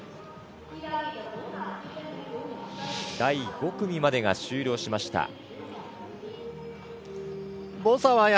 第５組までが終了しました。